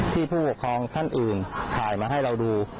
ผู้ปกครองท่านอื่นถ่ายมาให้เราดู